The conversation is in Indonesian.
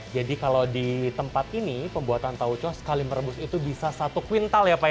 jadi kalau di tempat ini pembuatan tauco sekali merebus itu bisa satu kwintal ya pak ya